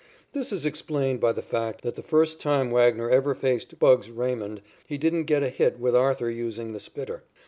This is explained by the fact that the first time Wagner ever faced "Bugs" Raymond he didn't get a hit with Arthur using the spitter.